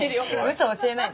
嘘教えないで。